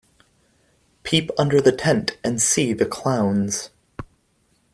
Peep under the tent and see the clowns.